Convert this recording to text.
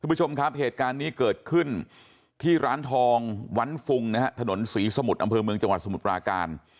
ผู้ชมครับเหตุการณ์นี้เกิดขึ้นที่ร้านทองวันฟุงนะฮะถนนศรีสมุทรอำเภอเมืองจังหวัดสมุทรปราการ